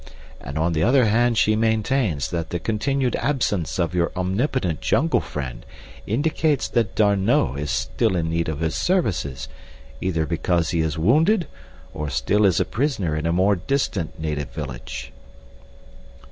And on the other hand she maintains that the continued absence of your omnipotent jungle friend indicates that D'Arnot is still in need of his services, either because he is wounded, or still is a prisoner in a more distant native village."